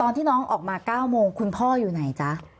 ที่น้องออกมา๙โมงคุณพ่ออยู่ไหนจ๊ะ